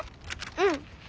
うん。